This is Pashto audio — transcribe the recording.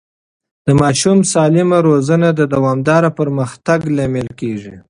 د ماشوم سالمه روزنه د دوامدار پرمختګ لامل کېږي.